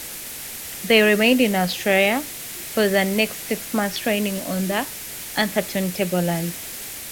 They remained in Australia for the next six months training on the Atherton Tablelands.